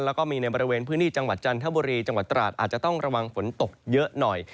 แล้วก็มีในบริเวณพื้นที่จังหวัดจันทบุรีจังหวัดตราดอาจจะต้องระวังฝนตกเยอะหน่อย